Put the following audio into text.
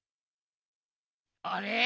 あれ？